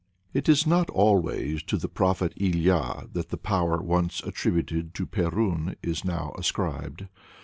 It is not always to the Prophet Ilya that the power once attributed to Perun is now ascribed.